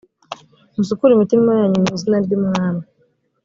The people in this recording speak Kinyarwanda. musukure imitima yanyu mu izina ry’umwami